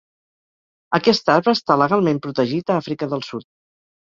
Aquest arbre està legalment protegit a Àfrica del Sud.